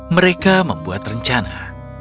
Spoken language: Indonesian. mereka membuat rencana